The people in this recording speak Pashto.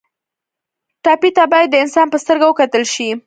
ټپي ته باید د انسان په سترګه وکتل شي.